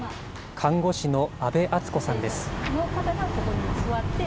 看護師の阿部厚子さんです。